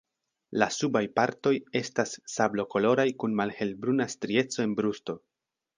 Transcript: La subaj partoj estas sablokoloraj kun malhelbruna strieco en brusto.